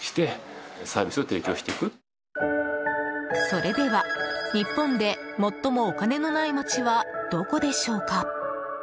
それでは日本で最もお金のないまちはどこでしょうか？